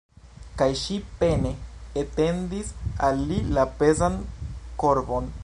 Kaj ŝi pene etendis al li la pezan korbon.